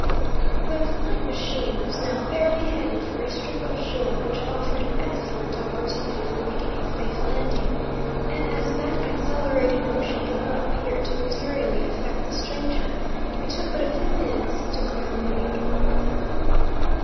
The flying machine was now fairly headed for a strip of shore which offered an excellent opportunity for making a safe landing, and as that accelerated motion did not appear to materially affect the stranger, it took but a few minutes to clear the lake.